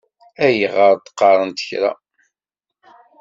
Ayɣer ur d-qqaṛent kra?